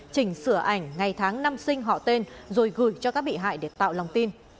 chỉnh sửa ảnh ngày tháng năm sinh họ tên rồi gửi cho các bị hại để tạo lòng tin